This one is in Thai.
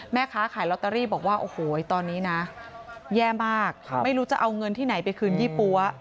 แม่ค้าขายลอตเตอรี่บอกว่าโอ้โหตอนนี้นะแย่มากไม่รู้จะเอาเงินที่ไหนไปคืนยี่ปั๊ว